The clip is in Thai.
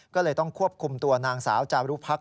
ก็เลยต้องควบคุมตัวนางสาวจารุพักษ